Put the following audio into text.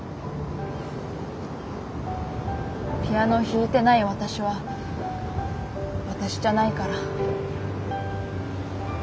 ピアノ弾いてない私は私じゃないから。